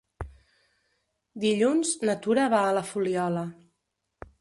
Dilluns na Tura va a la Fuliola.